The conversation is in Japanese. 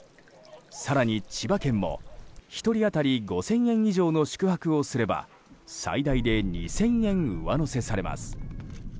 更に、千葉県も１人当たり５０００円以上の宿泊をすれば最大で２０００円上乗せされます。